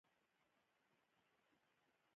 ښوونکی وایي، لیک دې سم نه دی.